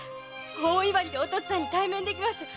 大いばりでお父っつぁんに対面できます。